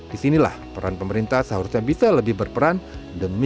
di sinilah peran pemerintah seharusnya bisa lebih berperan demi kemandirian pertahanan nasional